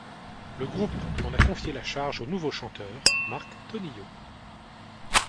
Le groupe en a confié la charge au nouveau chanteur, Mark Tornillo.